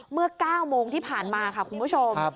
เมื่อ๙โมงที่ผ่านมาค่ะคุณผู้ชม